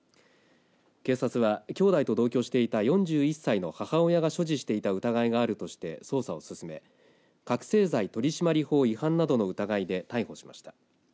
警察は、きょうだいと同居していた４１歳の母親が所持していた疑いがあるとして捜査を進め覚醒剤取締法違反などの疑いで逮捕しました。